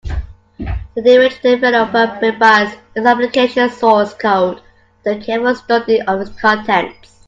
The deranged developer revised his application source code after a careful study of its contents.